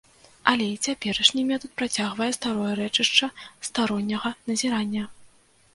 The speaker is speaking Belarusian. Але і цяперашні метад працягвае старое рэчышча старонняга назірання.